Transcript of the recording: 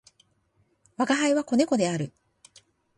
吾輩は、子猫である。